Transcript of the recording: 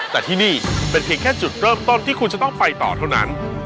แต่ที่นี่เป็นเพียงแค่จุดเริ่มต้นที่คุณจะต้องไปต่อเท่านั้น